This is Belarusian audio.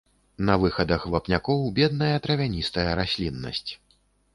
На выхадах вапнякоў бедная травяністая расліннасць.